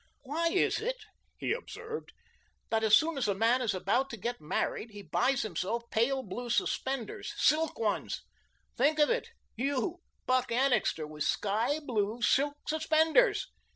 "Why is it," he observed, "that as soon as a man is about to get married, he buys himself pale blue suspenders, silk ones? Think of it. You, Buck Annixter, with sky blue, silk suspenders.